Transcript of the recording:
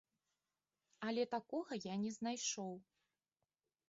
Але такога я не знайшоў.